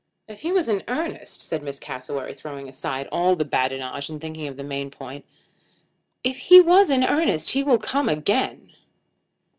"If he was in earnest," said Miss Cassewary, throwing aside all this badinage and thinking of the main point, "if he was in earnest he will come again."